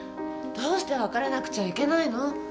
どうして別れなくちゃいけないの？